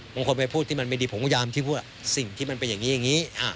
บางคนไปพูดที่มันไม่ดีผมก็พยายามคิดว่าสิ่งที่มันเป็นอย่างนี้อย่างนี้